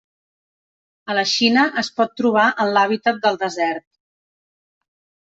A la Xina es pot trobar en l'hàbitat del desert.